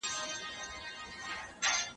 دا موبایل له هغه ګټور دی